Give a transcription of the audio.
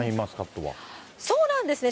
そうなんですね。